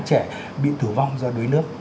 hai nghìn trẻ bị tử vong do đuối nước